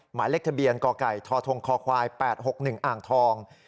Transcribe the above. หมายเลขทะเบียนกไก่ททคควาย๘๖๑อ่างทอง